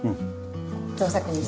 造作にして。